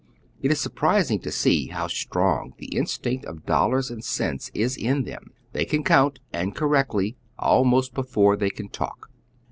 It is surprising to see how strong the instinct of dollars and cents is in them. They can count, and correctly, almost before they can talk.